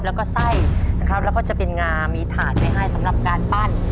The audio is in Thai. แล้วก็ไส้นะครับแล้วก็จะเป็นงามีถาดไว้ให้สำหรับการปั้น